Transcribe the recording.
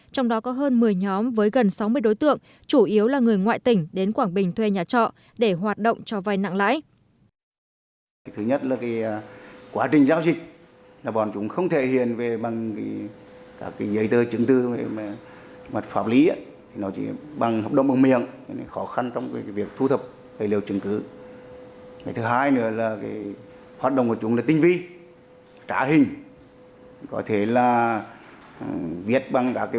trong đó có hơn một mươi nhóm với gần sáu mươi đối tượng chủ yếu là người ngoại tỉnh đến quảng bình thuê nhà trọ để hoạt động cho vai nặng lãi